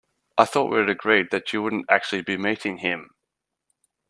I thought we'd agreed that you wouldn't actually be meeting him?